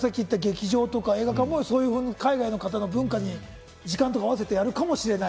さっきいた劇場とか映画館も海外の方の文化に時間を合わせてやるかもしれない。